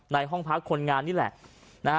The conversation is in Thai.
ในห้องพร้อมคนงานนี่แหละนะฮะ